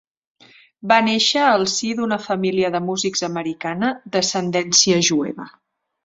Va néixer al si d'una família de músics americana, d'ascendència jueva.